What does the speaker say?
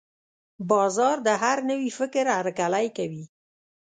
بازار د هر نوي فکر هرکلی کوي.